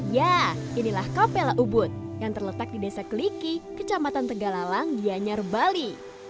ya inilah kapela ubud yang terletak di desa keliki kecamatan tegalalang gianyar bali